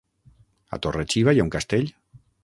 A Torre-xiva hi ha un castell?